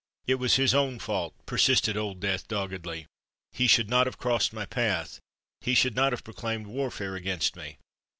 "It was his own fault!" persisted Old Death doggedly. "He should not have crossed my path—he should not have proclaimed warfare against me.